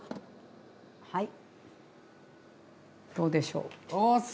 はいどうでしょう。